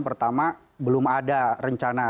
pertama belum ada rencana